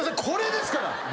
これですから。